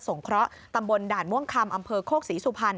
งเคราะห์ตำบลด่านม่วงคำอำเภอโคกศรีสุพรรณ